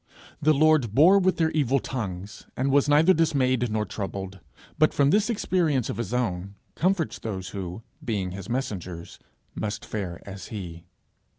The Lord bore with their evil tongues, and was neither dismayed nor troubled; but from this experience of his own, comforts those who, being his messengers, must fare as he.